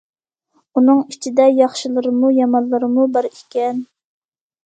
ئۇنىڭ ئىچىدە ياخشىلىرىمۇ، يامانلىرىمۇ بار ئىكەن.